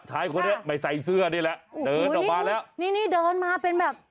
ชายคนนี้ไม่ใส่เสื้อนี่แหละเดินออกมาแล้วนี่นี่เดินมาเป็นแบบ